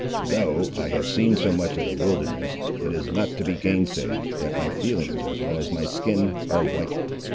Though I have seen so much of the wilderness, it is not to be gainsayed, that my feelings, as well as my skin, are white.